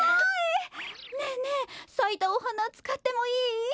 ねえねえさいたおはなつかってもいい？